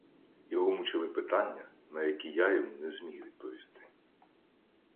Його мучили питання, на які я йому не зміг відповісти.